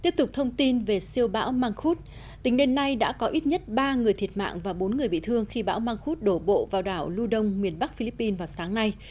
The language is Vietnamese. tiếp tục thông tin về siêu bão mangkut tính đến nay đã có ít nhất ba người thiệt mạng và bốn người bị thương khi bão mangkut đổ bộ vào đảo lưu đông miền bắc philippines vào sáng nay